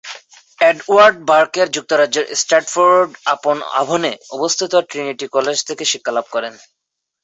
Edward Baker যুক্তরাজ্যের Stratford upon Avon অবস্থিত Trinity college থেকে শিক্ষা লাভ করেন।